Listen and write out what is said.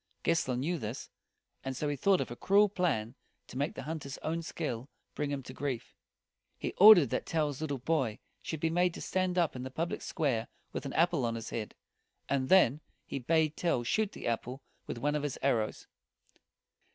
Gessler knew this, and so he thought of a cruel plan to make the hunter's own skill bring him to grief. He ordered that Tell's little boy should be made to stand up in the public square with an apple on his head; and then he bade Tell shoot the apple with one of his arrows.